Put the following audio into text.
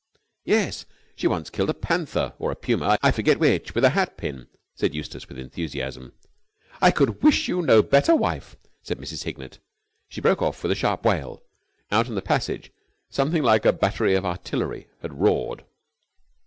"Yes! She once killed a panther or a puma, I forget which with a hat pin!" said Eustace with enthusiasm. "I could wish you no better wife!" said Mrs. Hignett. She broke off with a sharp wail.... Out in the passage something like a battery of artillery had roared.